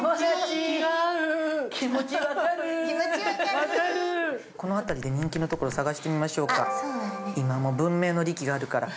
◆この辺りで人気のところ、探してみましょうか。